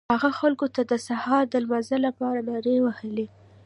هغه خلکو ته د سهار د لمانځه لپاره نارې وهلې.